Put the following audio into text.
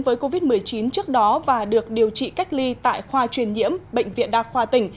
với covid một mươi chín trước đó và được điều trị cách ly tại khoa truyền nhiễm bệnh viện đa khoa tỉnh